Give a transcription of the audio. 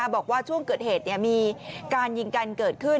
บอกว่าช่วงเกิดเหตุมีการยิงกันเกิดขึ้น